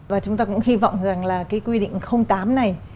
và chúng ta cũng hy vọng rằng là cái quy định tám này